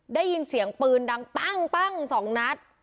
ได้ยินเสียงปืนดังปั้งสองนัด